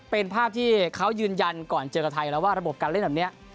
เป็นภาพที่เขายืนยันก่อนเจอกับไทยแล้วว่าระบบการเล่นแบบนี้